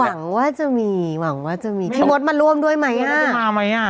หวังว่าจะมีหวังว่าจะมีพี่มดมาร่วมด้วยไหมอ่ะแล้วจะมาไหมอ่ะ